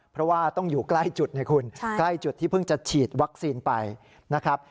เพราะว่าต้องอยู่ใกล้จุดให้คุณใกล้จุดที่เพิ่งจะฉีดวัคซีนไปนะครับ